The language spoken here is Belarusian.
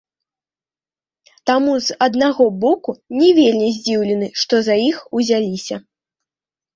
Таму, з аднаго боку, не вельмі здзіўлены, што за іх узяліся.